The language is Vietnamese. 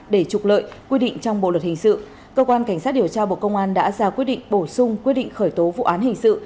để trục lợi quy định trong bộ luật hình sự cơ quan cảnh sát điều tra bộ công an đã ra quyết định bổ sung quyết định khởi tố vụ án hình sự